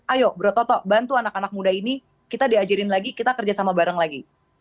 ayo bro toto bantu anak anak muda ini kita diajarin lagi kita kerjasama bareng lagi